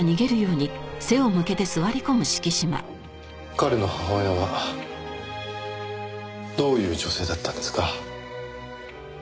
彼の母親はどういう女性だったんですか？